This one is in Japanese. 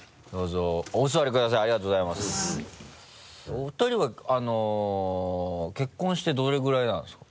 お二人は結婚してどれぐらいなんですか？